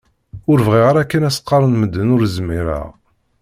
Ur bɣiɣ ara kan ad s-qqaren medden ur zmireɣ.